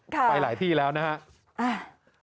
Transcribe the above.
ไปหลายที่แล้วนะครับ